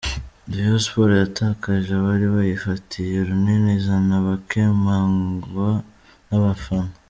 Rayon Sports yatakaje abari bayifatiye runini izana abakemangwa n’abafana.